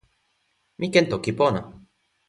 mi ken toki pona.